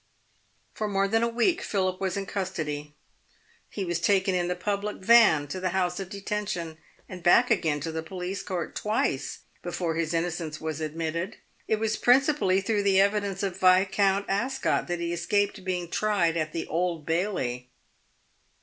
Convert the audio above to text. For more than a week Philip was in custody. He was taken in the public van to the House of Detention and back again to the police court twice before his innocence was admitted. It was prin cipally through the evidence of Viscount Ascot that he escaped being tried at the Old Bailey.